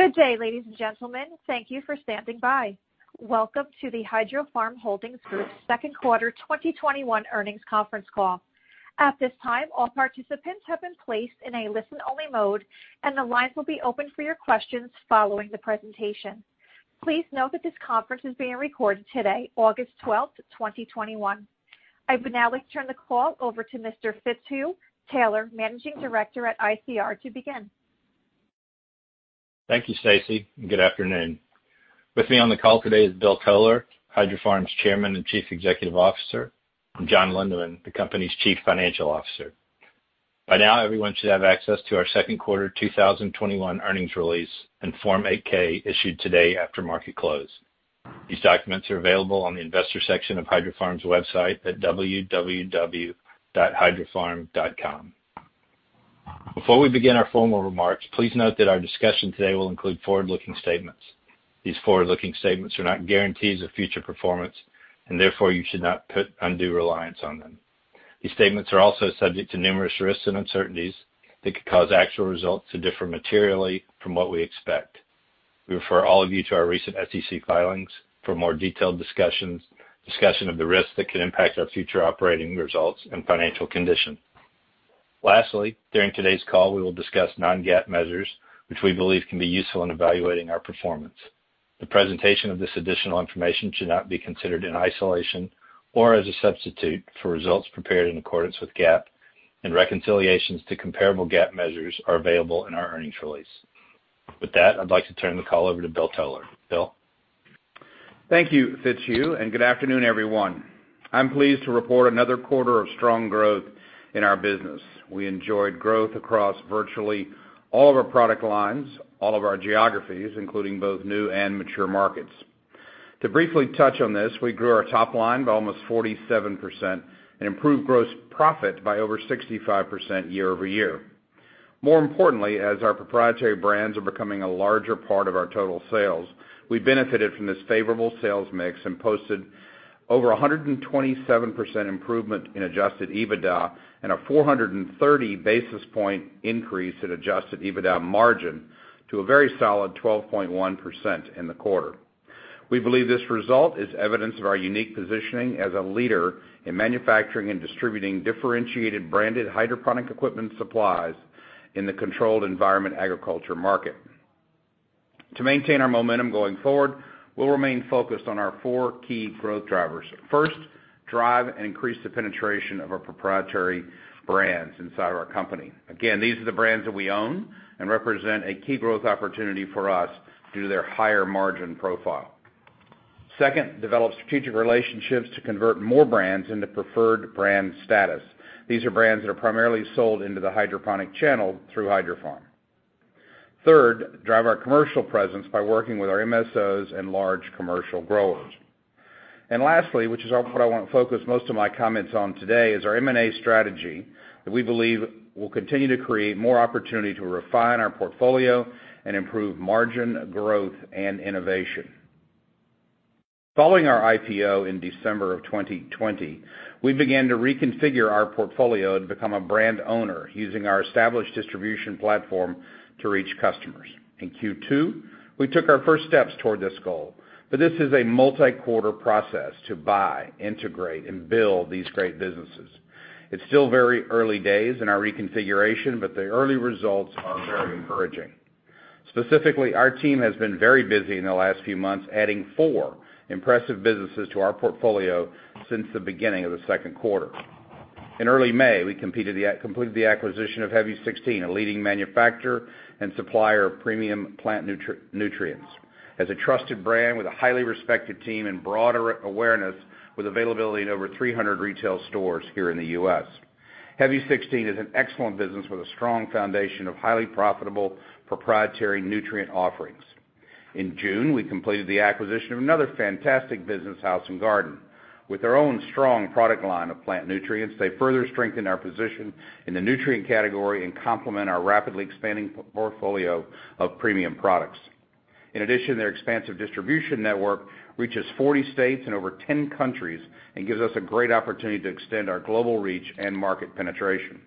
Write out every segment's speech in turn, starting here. Good day, ladies and gentlemen. Thank you for standing by. Welcome to the Hydrofarm Holdings Group second quarter 2021 earnings conference call. At this time, all participants have been placed in a listen-only mode, and the lines will be open for your questions following the presentation. Please note that this conference is being recorded today, August 12th, 2021. I would now like to turn the call over to Mr. Fitzhugh Taylor, managing director at ICR, to begin. Thank you, Stacy. Good afternoon. With me on the call today is Bill Toler, Hydrofarm's Chairman and Chief Executive Officer, and John Lindeman, the company's Chief Financial Officer. By now, everyone should have access to our second quarter 2021 earnings release and Form 8-K issued today after market close. These documents are available on the investor section of Hydrofarm's website at www.hydrofarm.com. Before we begin our formal remarks, please note that our discussion today will include forward-looking statements. These forward-looking statements are not guarantees of future performance, and therefore, you should not put undue reliance on them. These statements are also subject to numerous risks and uncertainties that could cause actual results to differ materially from what we expect. We refer all of you to our recent SEC filings for more detailed discussion of the risks that could impact our future operating results and financial condition. Lastly, during today's call, we will discuss non-GAAP measures which we believe can be useful in evaluating our performance. The presentation of this additional information should not be considered in isolation or as a substitute for results prepared in accordance with GAAP, and reconciliations to comparable GAAP measures are available in our earnings release. With that, I'd like to turn the call over to Bill Toler. Bill? Thank you, Fitzhugh. Good afternoon, everyone. I'm pleased to report another quarter of strong growth in our business. We enjoyed growth across virtually all of our product lines, all of our geographies, including both new and mature markets. To briefly touch on this, we grew our top line by almost 47% and improved gross profit by over 65% year-over-year. More importantly, as our proprietary brands are becoming a larger part of our total sales, we benefited from this favorable sales mix and posted over 127% improvement in adjusted EBITDA and a 430 basis point increase in adjusted EBITDA margin to a very solid 12.1% in the quarter. We believe this result is evidence of our unique positioning as a leader in manufacturing and distributing differentiated branded hydroponic equipment supplies in the controlled environment agriculture market. To maintain our momentum going forward, we'll remain focused on our four key growth drivers. First, drive and increase the penetration of our proprietary brands inside of our company. Again, these are the brands that we own and represent a key growth opportunity for us due to their higher margin profile. Second, develop strategic relationships to convert more brands into preferred brand status. These are brands that are primarily sold into the hydroponic channel through Hydrofarm. Third, drive our commercial presence by working with our MSOs and large commercial growers. Lastly, which is what I want to focus most of my comments on today, is our M&A strategy that we believe will continue to create more opportunity to refine our portfolio and improve margin growth and innovation. Following our IPO in December of 2020, we began to reconfigure our portfolio to become a brand owner using our established distribution platform to reach customers. In Q2, we took our first steps toward this goal, but this is a multi-quarter process to buy, integrate, and build these great businesses. It's still very early days in our reconfiguration, but the early results are very encouraging. Specifically, our team has been very busy in the last few months, adding four impressive businesses to our portfolio since the beginning of the second quarter. In early May, we completed the acquisition of HEAVY 16, a leading manufacturer and supplier of premium plant nutrients. As a trusted brand with a highly respected team and broader awareness with availability in over 300 retail stores here in the U.S., HEAVY 16 is an excellent business with a strong foundation of highly profitable proprietary nutrient offerings. In June, we completed the acquisition of another fantastic business, House & Garden. With their own strong product line of plant nutrients, they further strengthen our position in the nutrient category and complement our rapidly expanding portfolio of premium products. Their expansive distribution network reaches 40 states and over 10 countries and gives us a great opportunity to extend our global reach and market penetration.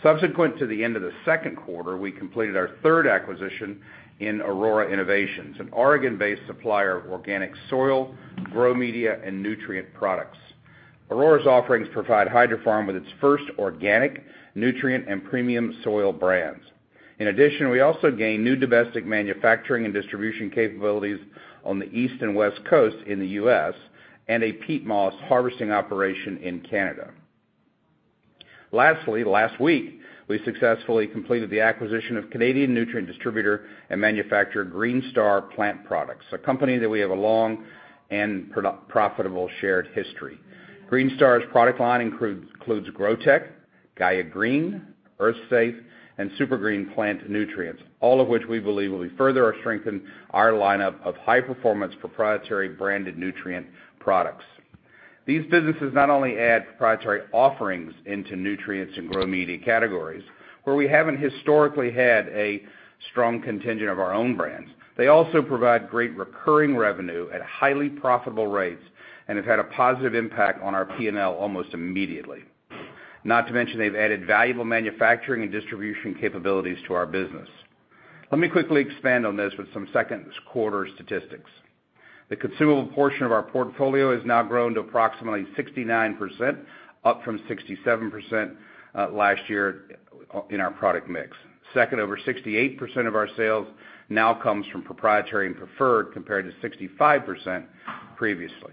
Subsequent to the end of the second quarter, we completed our third acquisition in Aurora Innovations, an Oregon-based supplier of organic soil, grow media, and nutrient products. Aurora's offerings provide Hydrofarm with its first organic nutrient and premium soil brands. We also gained new domestic manufacturing and distribution capabilities on the East and West Coast in the U.S. and a peat moss harvesting operation in Canada. Lastly, last week, we successfully completed the acquisition of Canadian nutrient distributor and manufacturer, Greenstar Plant Products, a company that we have a long and profitable shared history. Greenstar's product line includes Grotek, Gaia Green, EarthSafe, and SuperGreen Plant Nutrients, all of which we believe will further strengthen our lineup of high-performance proprietary branded nutrient products. These businesses not only add proprietary offerings into nutrients and grow media categories, where we haven't historically had a strong contingent of our own brands. They also provide great recurring revenue at highly profitable rates and have had a positive impact on our P&L almost immediately. Not to mention, they've added valuable manufacturing and distribution capabilities to our business. Let me quickly expand on this with some second quarter statistics. The consumable portion of our portfolio has now grown to approximately 69%, up from 67% last year in our product mix. Second, over 68% of our sales now comes from proprietary and preferred, compared to 65% previously.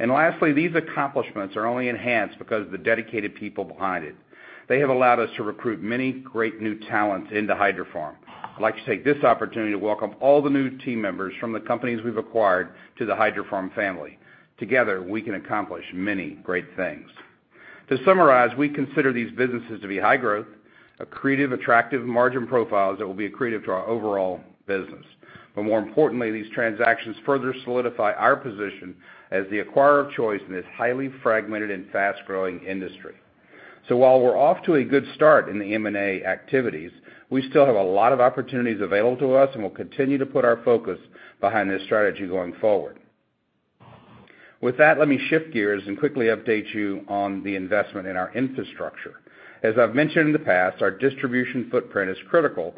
Lastly, these accomplishments are only enhanced because of the dedicated people behind it. They have allowed us to recruit many great new talents into Hydrofarm. I'd like to take this opportunity to welcome all the new team members from the companies we've acquired to the Hydrofarm family. Together, we can accomplish many great things. To summarize, we consider these businesses to be high-growth, accretive, attractive margin profiles that will be accretive to our overall business. More importantly, these transactions further solidify our position as the acquirer of choice in this highly fragmented and fast-growing industry. While we're off to a good start in the M&A activities, we still have a lot of opportunities available to us, and we'll continue to put our focus behind this strategy going forward. With that, let me shift gears and quickly update you on the investment in our infrastructure. As I've mentioned in the past, our distribution footprint is critical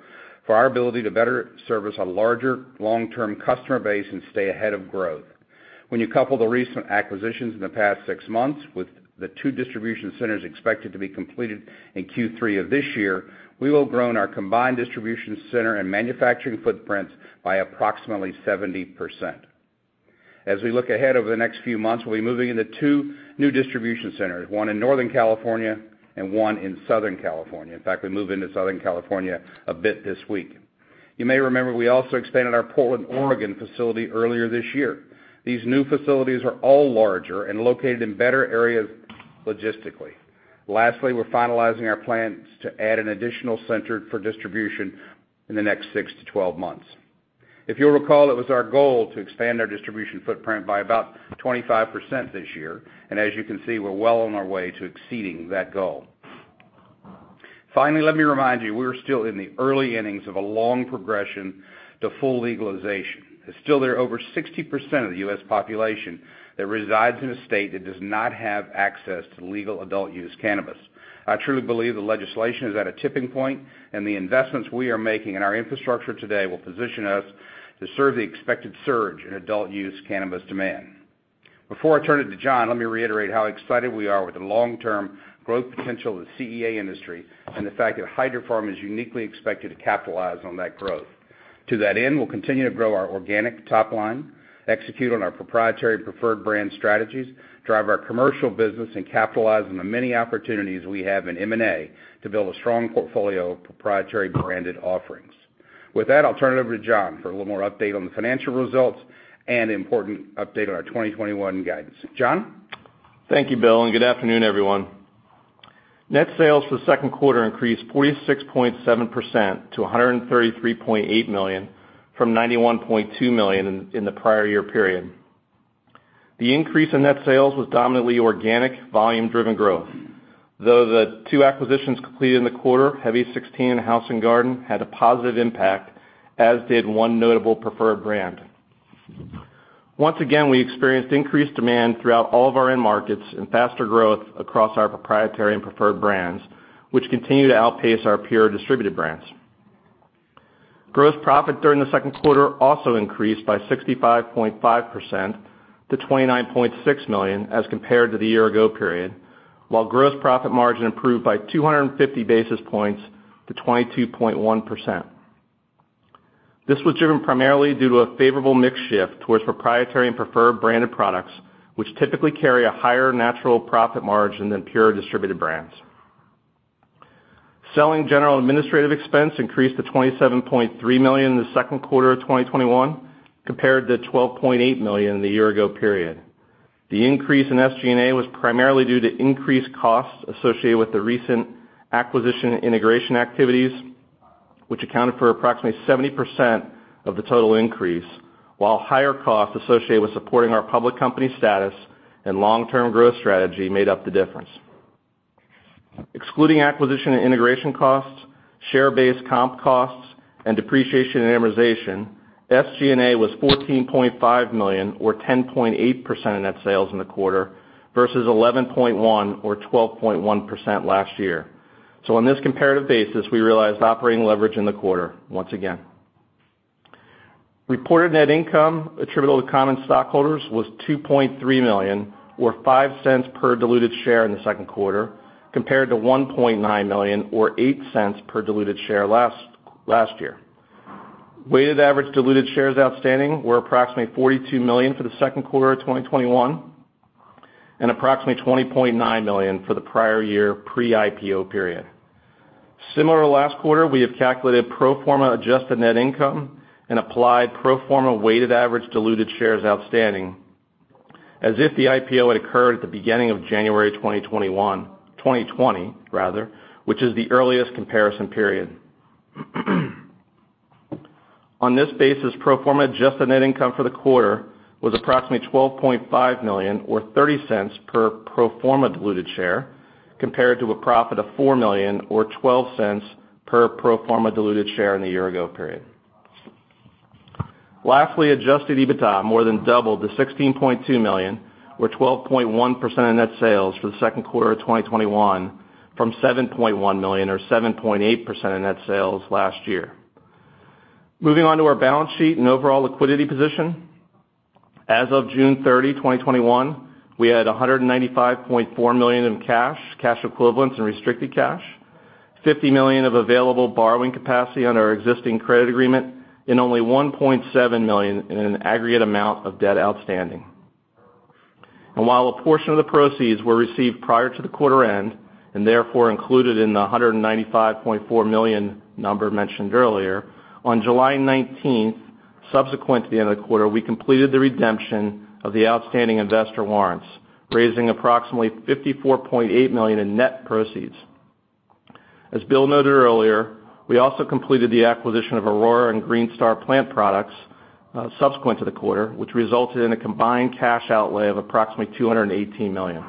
for our ability to better service a larger, long-term customer base and stay ahead of growth. When you couple the recent acquisitions in the past six months with the two distribution centers expected to be completed in Q3 of this year, we will have grown our combined distribution center and manufacturing footprints by approximately 70%. As we look ahead over the next few months, we'll be moving into two new distribution centers, one in Northern California and one in Southern California. In fact, we move into Southern California a bit this week. You may remember we also expanded our Portland, Oregon, facility earlier this year. These new facilities are all larger and located in better areas logistically. Lastly, we're finalizing our plans to add an additional center for distribution in the next 6-12 months. If you'll recall, it was our goal to expand our distribution footprint by about 25% this year, and as you can see, we're well on our way to exceeding that goal. Finally, let me remind you, we're still in the early innings of a long progression to full legalization. Still, there are over 60% of the U.S. population that resides in a state that does not have access to legal adult use cannabis. I truly believe the legislation is at a tipping point, and the investments we are making in our infrastructure today will position us to serve the expected surge in adult use cannabis demand. Before I turn it to John, let me reiterate how excited we are with the long-term growth potential of the CEA industry and the fact that Hydrofarm is uniquely expected to capitalize on that growth. To that end, we'll continue to grow our organic top line, execute on our proprietary preferred brand strategies, drive our commercial business, and capitalize on the many opportunities we have in M&A to build a strong portfolio of proprietary branded offerings. With that, I'll turn it over to John for a little more update on the financial results and important update on our 2021 guidance. John? Thank you, Bill, and good afternoon, everyone. Net sales for the second quarter increased 46.7% to $133.8 million from $91.2 million in the prior year period. The increase in net sales was dominantly organic, volume-driven growth, though the two acquisitions completed in the quarter, HEAVY 16 and House & Garden, had a positive impact, as did one notable preferred brand. Once again, we experienced increased demand throughout all of our end markets and faster growth across our proprietary and preferred brands, which continue to outpace our pure distributed brands. Gross profit during the second quarter also increased by 65.5% to $29.6 million as compared to the year ago period, while gross profit margin improved by 250 basis points to 22.1%. This was driven primarily due to a favorable mix shift towards proprietary and preferred branded products, which typically carry a higher natural profit margin than pure distributed brands. Selling general administrative expense increased to $27.3 million in the second quarter of 2021 compared to $12.8 million in the year ago period. The increase in SG&A was primarily due to increased costs associated with the recent acquisition and integration activities, which accounted for approximately 70% of the total increase, while higher costs associated with supporting our public company status and long-term growth strategy made up the difference. Excluding acquisition and integration costs, share-based comp costs, and depreciation and amortization, SG&A was $14.5 million, or 10.8% of net sales in the quarter, versus $11.1 or 12.1% last year. On this comparative basis, we realized operating leverage in the quarter once again. Reported net income attributable to common stockholders was $2.3 million, or $0.05 per diluted share in the second quarter, compared to $1.9 million or $0.08 per diluted share last year. Weighted average diluted shares outstanding were approximately $42 million for the second quarter of 2021 and approximately $20.9 million for the prior year pre-IPO period. Similar to last quarter, we have calculated pro forma adjusted net income and applied pro forma weighted average diluted shares outstanding as if the IPO had occurred at the beginning of January 2020, which is the earliest comparison period. On this basis, pro forma adjusted net income for the quarter was approximately $12.5 million or $0.30 per pro forma diluted share, compared to a profit of $4 million or $0.12 per pro forma diluted share in the year-ago period. Lastly, adjusted EBITDA more than doubled to $16.2 million, or 12.1% of net sales for the second quarter of 2021 from $7.1 million or 7.8% of net sales last year. Moving on to our balance sheet and overall liquidity position. As of June 30, 2021, we had $195.4 million in cash equivalents, and restricted cash, $50 million of available borrowing capacity on our existing credit agreement, and only $1.7 million in an aggregate amount of debt outstanding. While a portion of the proceeds were received prior to the quarter end, and therefore included in the $195.4 million number mentioned earlier, on July 19th, subsequent to the end of the quarter, we completed the redemption of the outstanding investor warrants, raising approximately $54.8 million in net proceeds. As Bill noted earlier, we also completed the acquisition of Aurora and Greenstar Plant Products subsequent to the quarter, which resulted in a combined cash outlay of approximately $218 million.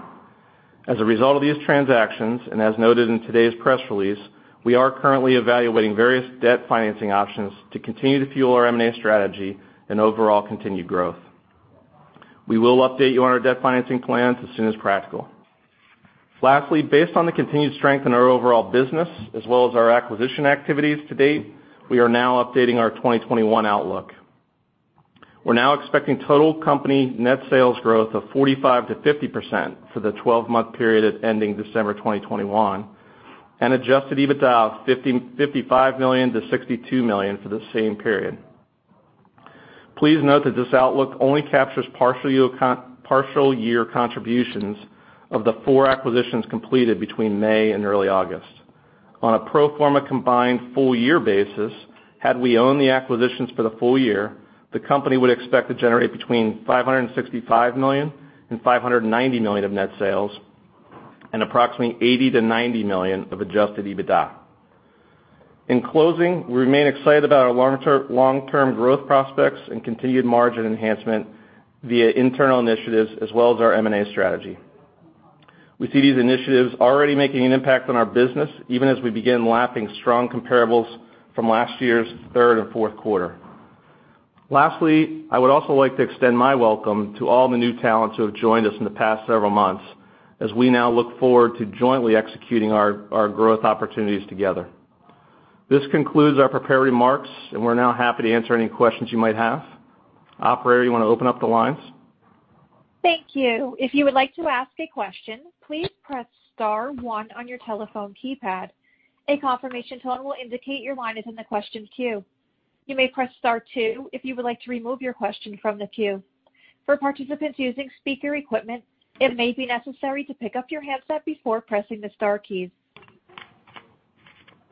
As a result of these transactions, and as noted in today's press release, we are currently evaluating various debt financing options to continue to fuel our M&A strategy and overall continued growth. We will update you on our debt financing plans as soon as practical. Lastly, based on the continued strength in our overall business as well as our acquisition activities to date, we are now updating our 2021 outlook. We're now expecting total company net sales growth of 45%-50% for the 12-month period ending December 2021, and adjusted EBITDA of $55 million-$62 million for the same period. Please note that this outlook only captures partial year contributions of the four acquisitions completed between May and early August. On a pro forma combined full year basis, had we owned the acquisitions for the full year, the company would expect to generate between $565 million and $590 million of net sales and approximately $80 million-$90 million of adjusted EBITDA. In closing, we remain excited about our long-term growth prospects and continued margin enhancement via internal initiatives as well as our M&A strategy. We see these initiatives already making an impact on our business, even as we begin lapping strong comparables from last year's third and fourth quarter. Lastly, I would also like to extend my welcome to all the new talents who have joined us in the past several months as we now look forward to jointly executing our growth opportunities together. This concludes our prepared remarks, and we're now happy to answer any questions you might have. Operator, you want to open up the lines? Thank you. If you would like to ask a question please press star one on your telephone keypad. A confirmation tone will indicate your line is in the question queue. You may press star two if you would like to remove your question from the queue. For participants using speaker equipment, it may be necessary to pick up your handset before pressing the star key.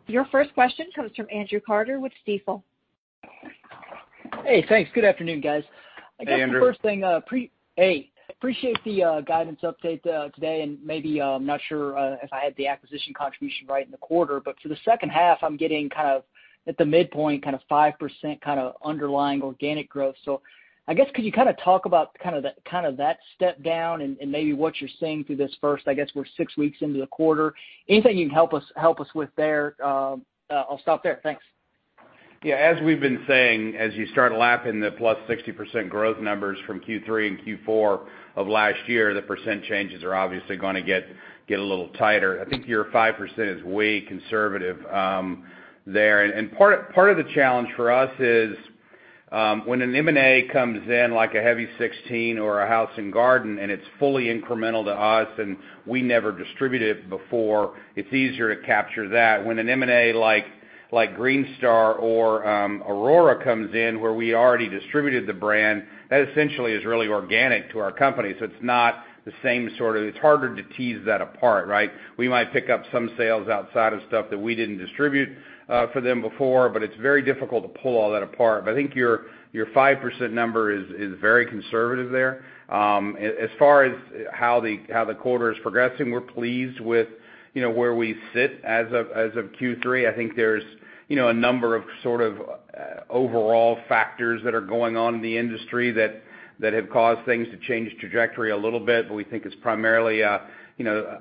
Your first question comes from Andrew Carter with Stifel. Hey, thanks. Good afternoon, guys. Hey, Andrew. I guess the first thing, hey, appreciate the guidance update today, and maybe I'm not sure if I had the acquisition contribution right in the quarter, but for the second half, I'm getting at the midpoint, 5% underlying organic growth. I guess could you talk about that step down and maybe what you're seeing through this first, I guess we're six weeks into the quarter. Anything you can help us with there? I'll stop there. Thanks. Yeah. As we've been saying, as you start lapping the +60% growth numbers from Q3 and Q4 of last year, the percent changes are obviously going to get a little tighter. I think your 5% is way conservative there. Part of the challenge for us is when an M&A comes in, like a HEAVY 16 or a House & Garden, and it's fully incremental to us, and we never distributed before, it's easier to capture that. When an M&A like Greenstar or Aurora comes in where we already distributed the brand, that essentially is really organic to our company. It's harder to tease that apart, right? We might pick up some sales outside of stuff that we didn't distribute for them before, it's very difficult to pull all that apart. I think your 5% number is very conservative there. As far as how the quarter is progressing, we're pleased with where we sit as of Q3. I think there's a number of sort of overall factors that are going on in the industry that have caused things to change trajectory a little bit. We think it's primarily a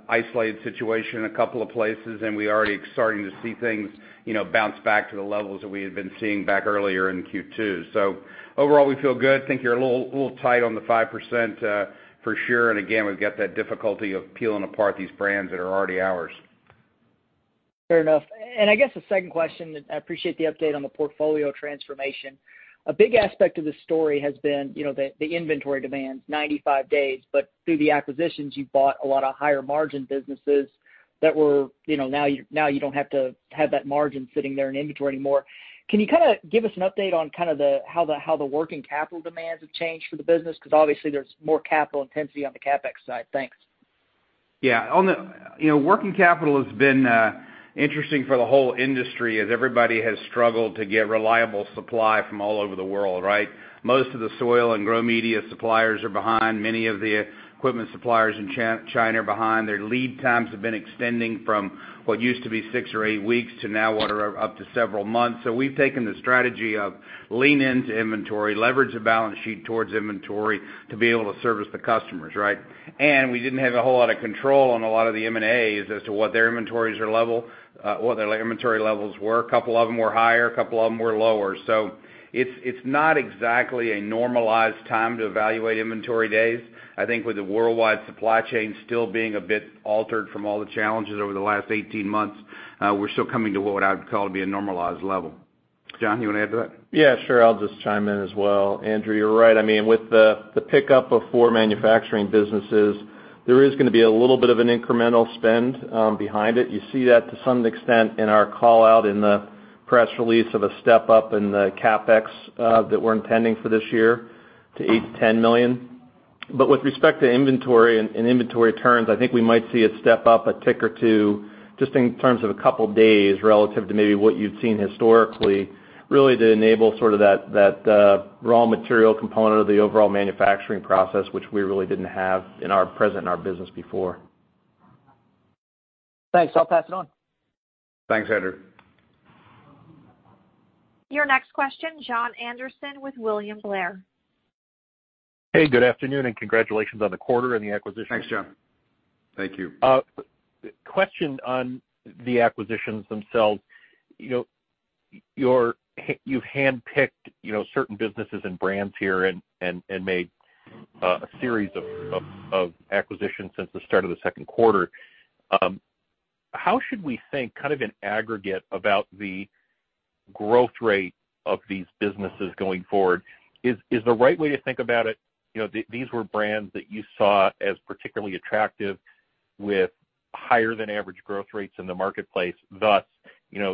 isolated situation in a couple of places, and we're already starting to see things bounce back to the levels that we had been seeing back earlier in Q2. Overall, we feel good. Think you're a little tight on the 5% for sure. Again, we've got that difficulty of peeling apart these brands that are already ours. Fair enough. I guess the second question, I appreciate the update on the portfolio transformation. A big aspect of the story has been the inventory demands, 95 days. Through the acquisitions, you've bought a lot of higher margin businesses that now you don't have to have that margin sitting there in inventory anymore. Can you give us an update on how the working capital demands have changed for the business? Because obviously there's more capital intensity on the CapEx side. Thanks. Yeah. Working capital has been interesting for the whole industry as everybody has struggled to get reliable supply from all over the world, right? Most of the soil and grow media suppliers are behind. Many of the equipment suppliers in China are behind. Their lead times have been extending from what used to be six or eight weeks to now what are up to several months. We've taken the strategy of lean into inventory, leverage the balance sheet towards inventory to be able to service the customers, right? We didn't have a whole lot of control on a lot of the M&As as to what their inventory levels were. A couple of them were higher, a couple of them were lower. It's not exactly a normalized time to evaluate inventory days. I think with the worldwide supply chain still being a bit altered from all the challenges over the last 18 months, we're still coming to what I would call to be a normalized level. John, you want to add to that? Yeah, sure. I'll just chime in as well. Andrew, you're right. With the pickup of four manufacturing businesses, there is going to be a little bit of an incremental spend behind it. You see that to some extent in our call-out in the press release of a step up in the CapEx that we're intending for this year to $8 million-$10 million. With respect to inventory and inventory turns, I think we might see it step up a tick or two, just in terms of a couple of days relative to maybe what you'd seen historically, really to enable sort of that raw material component of the overall manufacturing process, which we really didn't have present in our business before. Thanks. I'll pass it on. Thanks, Andrew. Your next question, Jon Andersen with William Blair. Hey, good afternoon, and congratulations on the quarter and the acquisition. Thanks, Jon. Thank you. Question on the acquisitions themselves. You've handpicked certain businesses and brands here and made a series of acquisitions since the start of the second quarter. How should we think, kind of in aggregate, about the growth rate of these businesses going forward? Is the right way to think about it, these were brands that you saw as particularly attractive with higher than average growth rates in the marketplace, thus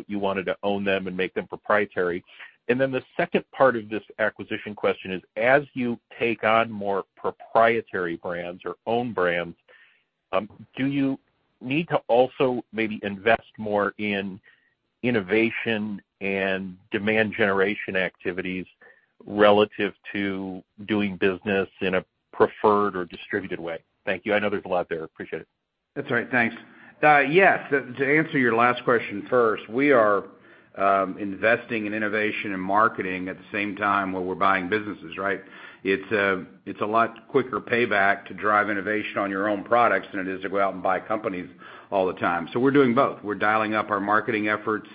you wanted to own them and make them proprietary. The second part of this acquisition question is, as you take on more proprietary brands or own brands, do you need to also maybe invest more in innovation and demand generation activities relative to doing business in a preferred or distributed way? Thank you. I know there's a lot there. Appreciate it. That's all right. Thanks. Yes, to answer your last question first, we are investing in innovation and marketing at the same time where we're buying businesses, right? It's a lot quicker payback to drive innovation on your own products than it is to go out and buy companies all the time. We're doing both. We're dialing up our marketing efforts,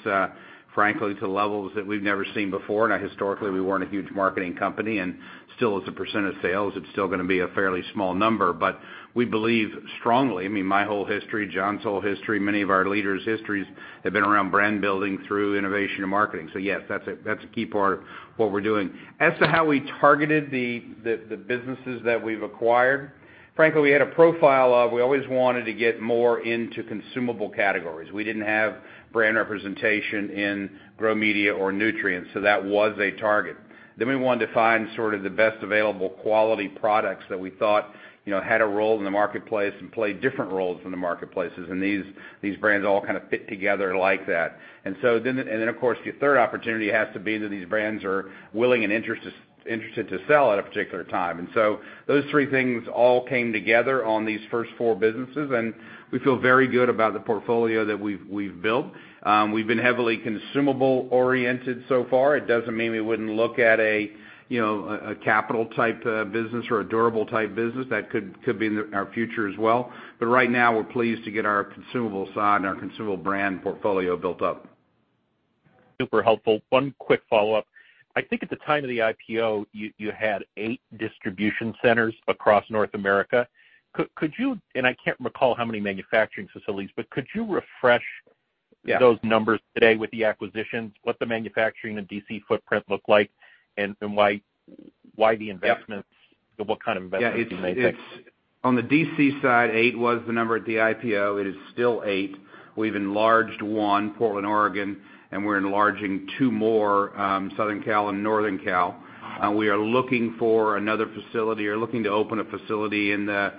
frankly, to levels that we've never seen before. Now, historically, we weren't a huge marketing company, and still as a percent of sales, it's still going to be a fairly small number. We believe strongly, my whole history, John's whole history, many of our leaders' histories have been around brand building through innovation and marketing. Yes, that's a key part of what we're doing. As to how we targeted the businesses that we've acquired, frankly, we had a profile of we always wanted to get more into consumable categories. We didn't have brand representation in grow media or nutrients, so that was a target. We wanted to find sort of the best available quality products that we thought had a role in the marketplace and played different roles in the marketplaces, and these brands all kind of fit together like that. Of course, your third opportunity has to be that these brands are willing and interested to sell at a particular time. Those three things all came together on these first four businesses, and we feel very good about the portfolio that we've built. We've been heavily consumable oriented so far. It doesn't mean we wouldn't look at a capital type business or a durable type business. That could be in our future as well. Right now, we're pleased to get our consumable side and our consumable brand portfolio built up. Super helpful. One quick follow-up. I think at the time of the IPO, you had eight distribution centers across North America. I can't recall how many manufacturing facilities, but could you refresh those numbers today with the acquisitions, what the manufacturing and DC footprint look like, and what kind of investments you may make? On the D.C. side, eight was the number at the IPO. It is still eight. We've enlarged one, Portland, Oregon, and we're enlarging two more, Southern Cal and Northern Cal. We are looking for another facility or looking to open a facility in the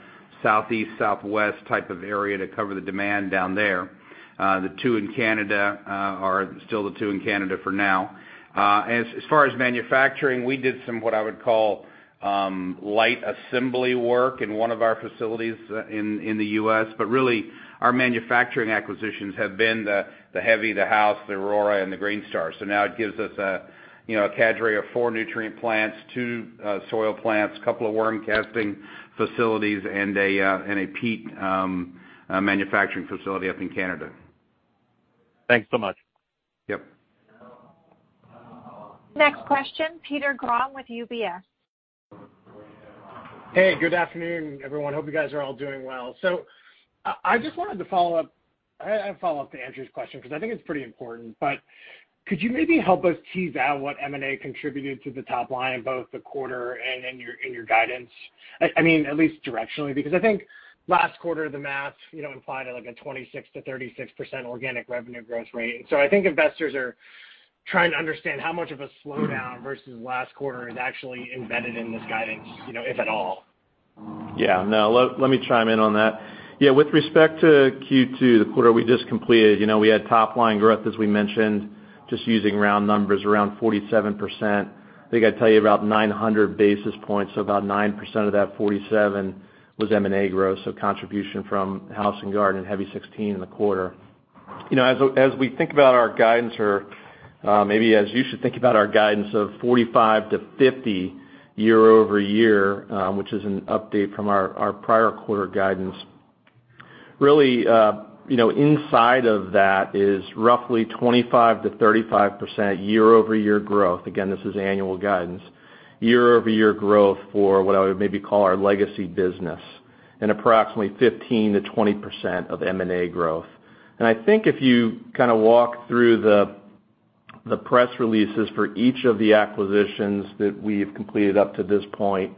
Southeast, Southwest type of area to cover the demand down there. The two in Canada are still the two in Canada for now. As far as manufacturing, we did some, what I would call, light assembly work in one of our facilities in the U.S., but really our manufacturing acquisitions have been the HEAVY, the HOUSE, the Aurora, and the Greenstar. Now it gives us a cadre of four nutrient plants, two soil plants, two worm casting facilities, and a peat manufacturing facility up in Canada. Thanks so much. Yep. Next question, Peter Grom with UBS. Hey, good afternoon, everyone. Hope you guys are all doing well. I just wanted to follow up to Andrew's question because I think it's pretty important. Could you maybe help us tease out what M&A contributed to the top line in both the quarter and in your guidance? At least directionally, because I think last quarter, the math implied a 26%-36% organic revenue growth rate. I think investors are trying to understand how much of a slowdown versus last quarter is actually embedded in this guidance, if at all. Yeah. No, let me chime in on that. Yeah, with respect to Q2, the quarter we just completed, we had top-line growth, as we mentioned, just using round numbers, around 47%. I think I'd tell you about 900 basis points, so about 9% of that 47% was M&A growth, so contribution from House & Garden, HEAVY 16 in the quarter. As we think about our guidance or maybe as you should think about our guidance of 45%-50% year-over-year, which is an update from our prior quarter guidance, really inside of that is roughly 25%-35% year-over-year growth. Again, this is annual guidance. Year-over-year growth for what I would maybe call our legacy business Approximately 15%-20% of M&A growth. I think if you walk through the press releases for each of the acquisitions that we've completed up to this point,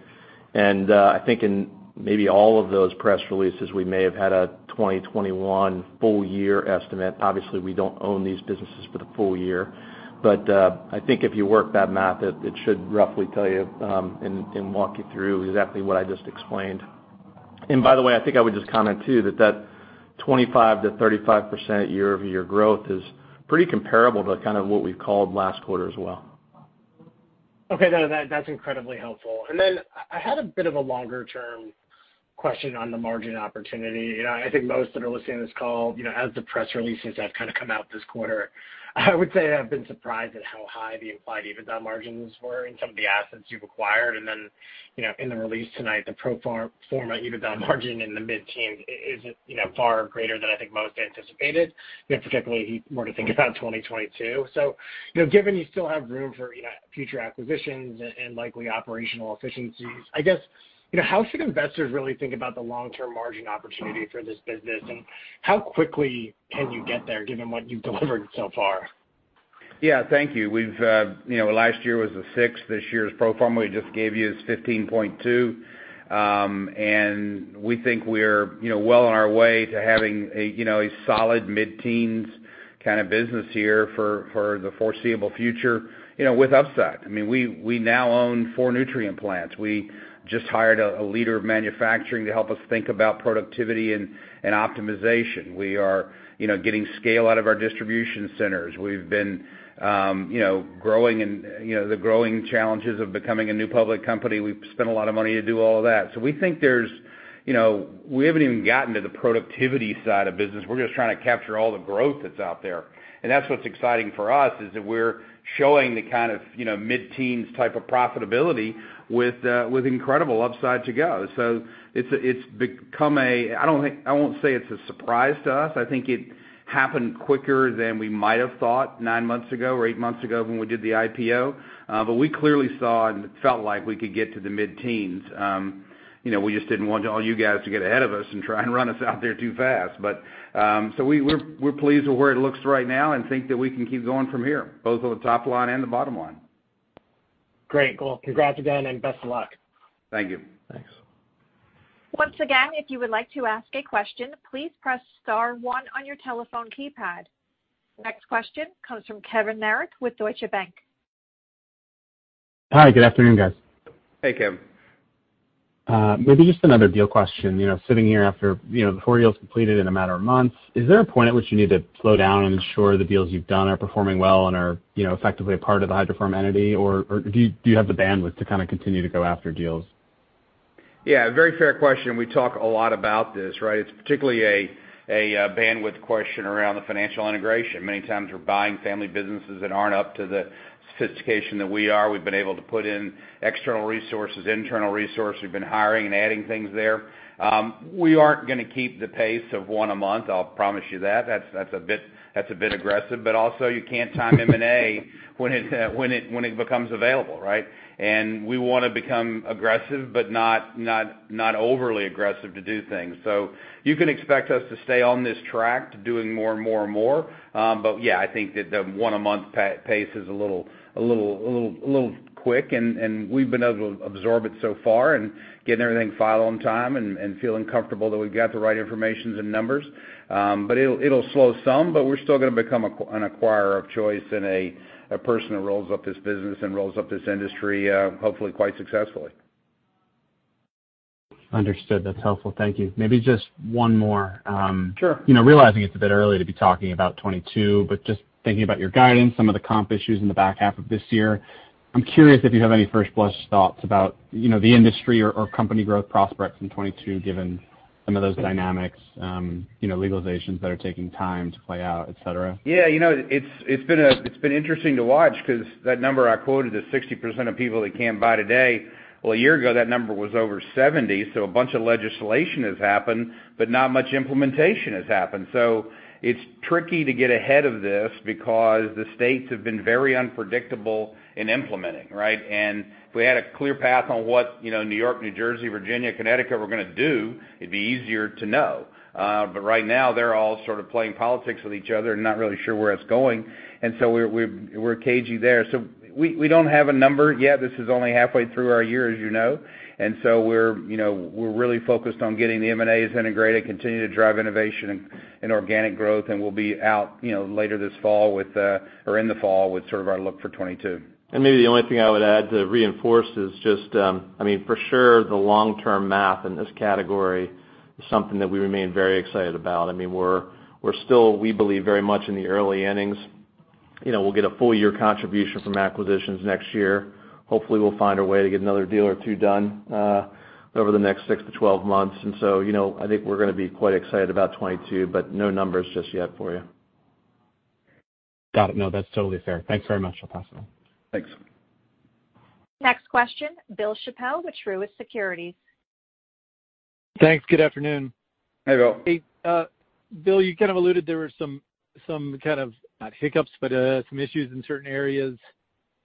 I think in maybe all of those press releases, we may have had a 2021 full year estimate. Obviously, we don't own these businesses for the full year. I think if you work that math, it should roughly tell you and walk you through exactly what I just explained. By the way, I think I would just comment too, that that 25%-35% year-over-year growth is pretty comparable to kind of what we've called last quarter as well. No, that's incredibly helpful. I had a bit of a longer-term question on the margin opportunity. I think most that are listening to this call, as the press releases have kind of come out this quarter I would say I've been surprised at how high the implied EBITDA margins were in some of the assets you've acquired. In the release tonight, the pro forma EBITDA margin in the mid-teens is far greater than I think most anticipated, particularly more to think about 2022. Given you still have room for future acquisitions and likely operational efficiencies, I guess, how should investors really think about the long-term margin opportunity for this business, and how quickly can you get there given what you've delivered so far? Yeah. Thank you. Last year was the sixth. This year's pro forma we just gave you is 15.2. We think we're well on our way to having a solid mid-teens kind of business here for the foreseeable future with upside. We now own four nutrient plants. We just hired a leader of manufacturing to help us think about productivity and optimization. We are getting scale out of our distribution centers. We've been growing, and the growing challenges of becoming a new public company. We've spent a lot of money to do all of that. We think we haven't even gotten to the productivity side of business. We're just trying to capture all the growth that's out there. That's what's exciting for us, is that we're showing the kind of mid-teens type of profitability with incredible upside to go. It's become I won't say it's a surprise to us. I think it happened quicker than we might have thought nine months ago or eight months ago when we did the IPO. We clearly saw and felt like we could get to the mid-teens. We just didn't want all you guys to get ahead of us and try and run us out there too fast. We're pleased with where it looks right now and think that we can keep going from here, both on the top line and the bottom line. Great. congrats again and best of luck. Thank you. Thanks. Once again, if you would like to ask a question, please press star one on your telephone keypad. Next question comes from Kevin Marek with Deutsche Bank. Hi, good afternoon, guys. Hey, Kevin. Maybe just another deal question. Sitting here after the four deals completed in a matter of months, is there a point at which you need to slow down and ensure the deals you've done are performing well and are effectively a part of the Hydrofarm entity, or do you have the bandwidth to kind of continue to go after deals? Yeah. Very fair question. We talk a lot about this, right? It is particularly a bandwidth question around the financial integration. Many times we are buying family businesses that aren't up to the sophistication that we are. We've been able to put in external resources, internal resources. We've been hiring and adding things there. We aren't going to keep the pace of one a month, I'll promise you that. That's a bit aggressive, but also you can't time M&A when it becomes available, right? And we want to become aggressive, but not overly aggressive to do things. So you can expect us to stay on this track to doing more and more. Yeah, I think that the one-a-month pace is a little quick, and we've been able to absorb it so far and getting everything filed on time and feeling comfortable that we've got the right information and numbers. It'll slow some, but we're still going to become an acquirer of choice and a person that rolls up this business and rolls up this industry, hopefully quite successfully. Understood. That's helpful. Thank you. Maybe just one more. Sure. Realizing it's a bit early to be talking about 2022, just thinking about your guidance, some of the comp issues in the back half of this year, I'm curious if you have any first blush thoughts about the industry or company growth prospects in 2022, given some of those dynamics, legalizations that are taking time to play out, et cetera. Yeah. It's been interesting to watch because that number I quoted is 60% of people that can't buy today. Well, a year ago, that number was over 70%. A bunch of legislation has happened, but not much implementation has happened. It's tricky to get ahead of this because the states have been very unpredictable in implementing, right? If we had a clear path on what New York, New Jersey, Virginia, Connecticut were going to do, it'd be easier to know. Right now, they're all sort of playing politics with each other and not really sure where it's going. We're cagey there. We don't have a number yet. This is only halfway through our year, as you know. We're really focused on getting the M&As integrated, continue to drive innovation and organic growth, and we'll be out later this fall or in the fall with sort of our look for 2022. Maybe the only thing I would add to reinforce is just, for sure, the long-term math in this category is something that we remain very excited about. We're still, we believe, very much in the early innings. We'll get a full year contribution from acquisitions next year. Hopefully, we'll find a way to get another deal or two done over the next 6-2 months. I think we're going to be quite excited about 2022, but no numbers just yet for you. Got it. No, that's totally fair. Thanks very much. I'll pass it on. Thanks. Next question, Bill Chappell with Truist Securities. Thanks. Good afternoon. Hey, Bill. Hey. Bill, you kind of alluded there were some kind of, not hiccups, but some issues in certain areas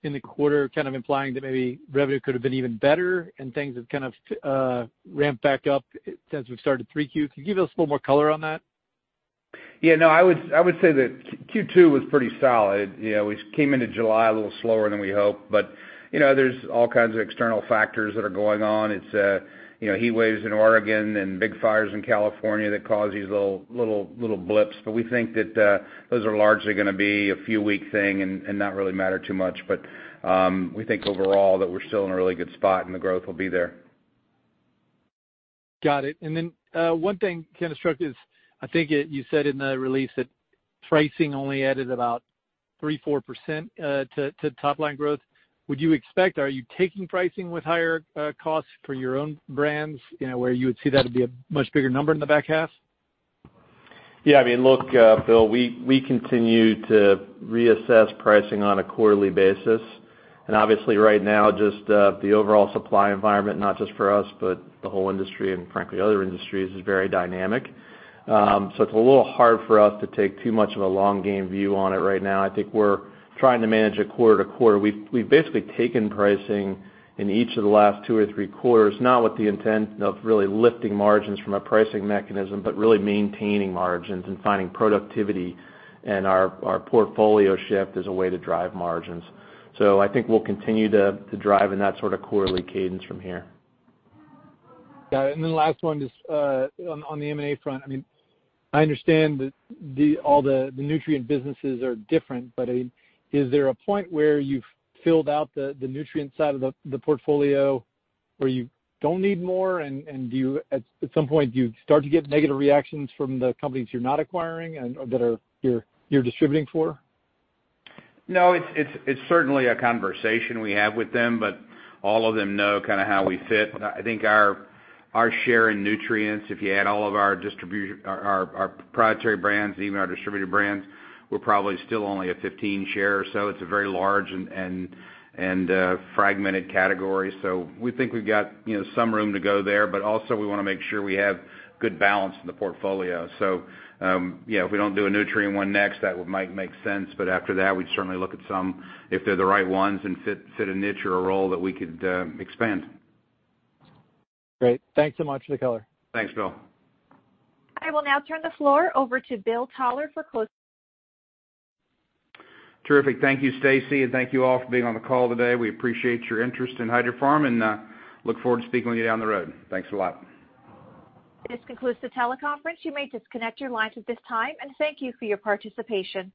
in the quarter, kind of implying that maybe revenue could have been even better and things have kind of ramped back up since we've started 3Q. Can you give us a little more color on that? Yeah. No, I would say that Q2 was pretty solid. We came into July a little slower than we hoped, but there's all kinds of external factors that are going on. It's heat waves in Oregon and big fires in California that cause these little blips. We think that those are largely going to be a few week thing and not really matter too much. We think overall that we're still in a really good spot and the growth will be there. Got it. One thing struck is, I think you said in the release that pricing only added about 3%-4% to top line growth. Would you expect, are you taking pricing with higher costs for your own brands, where you would see that would be a much bigger number in the back half? Yeah. Look, Bill, we continue to reassess pricing on a quarterly basis. Obviously right now, just the overall supply environment, not just for us, but the whole industry and frankly, other industries, is very dynamic. It's a little hard for us to take too much of a long game view on it right now. I think we're trying to manage it quarter to quarter. We've basically taken pricing in each of the last two or three quarters, not with the intent of really lifting margins from a pricing mechanism, but really maintaining margins and finding productivity and our portfolio shift as a way to drive margins. I think we'll continue to drive in that sort of quarterly cadence from here. Got it. Last one is, on the M&A front. I understand that all the nutrient businesses are different, but is there a point where you've filled out the nutrient side of the portfolio where you don't need more? At some point, do you start to get negative reactions from the companies you're not acquiring and that you're distributing for? It's certainly a conversation we have with them, but all of them know how we fit. I think our share in nutrients, if you add all of our proprietary brands, even our distributor brands, we're probably still only a 15% share or so. It's a very large and fragmented category. We think we've got some room to go there, but also we want to make sure we have good balance in the portfolio. If we don't do a nutrient 1 next, that might make sense. After that, we'd certainly look at some, if they're the right ones and fit a niche or a role that we could expand. Great. Thanks so much for the color. Thanks, Bill. I will now turn the floor over to Bill Toler for closing remarks. Terrific. Thank you, Stacey, and thank you all for being on the call today. We appreciate your interest in Hydrofarm and look forward to speaking with you down the road. Thanks a lot. This concludes the teleconference. You may disconnect your lines at this time, and thank you for your participation.